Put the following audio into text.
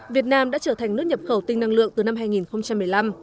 việt nam đã trở thành nước nhập khẩu tinh năng lượng từ năm hai nghìn một mươi năm